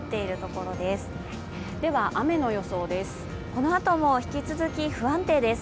このあとも引き続き不安定です。